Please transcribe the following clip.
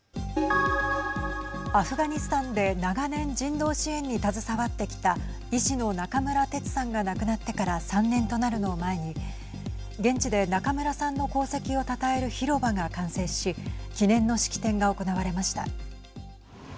アフガニスタンで長年人道支援に携わってきた医師の中村哲さんが亡くなってから３年となるのを前に現地で中村さんの功績をたたえる広場が完成し記念の式典が行われました。